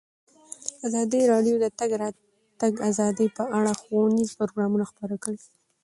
ازادي راډیو د د تګ راتګ ازادي په اړه ښوونیز پروګرامونه خپاره کړي.